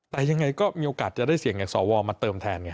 แต่ยังไงก็มีโอกาสจะได้เสียงจากสวมาเติมแทนไง